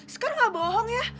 sekar nggak bohong ya